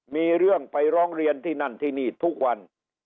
มีเรื่องไปร้องเรียนที่นั่นที่นี่ทุกวัน